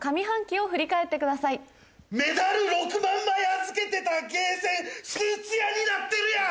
メダル６万枚預けてたゲーセンスーツ屋になってるやん‼